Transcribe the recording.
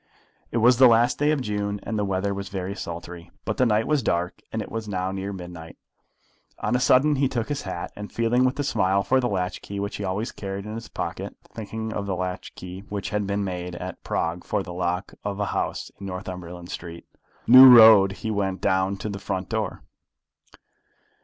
It was the last day of June, and the weather was very sultry; but the night was dark, and it was now near midnight. On a sudden he took his hat, and feeling with a smile for the latch key which he always carried in his pocket, thinking of the latch key which had been made at Prague for the lock of a house in Northumberland Street, New Road, he went down to the front door.